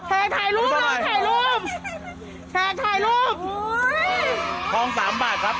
แพทย์ถ่ายรูปแพทย์ถ่ายรูปแพทย์ถ่ายรูปโอ้ยท่องสามบาทครับ